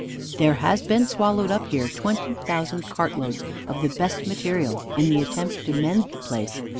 There has been swallowed up here twenty thousand cartloads of the best material in the attempt to mend the place.